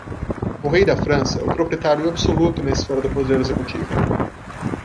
O rei da França é o proprietário absoluto na esfera do poder executivo.